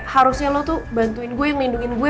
harusnya lo tuh bantuin gue ngelindungin gue